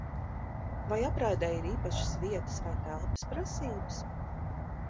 Vai apraidei ir īpašas vietas vai telpas prasības?